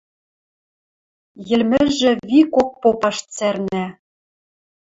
Йӹлмӹжӹ викок попаш цӓрнӓ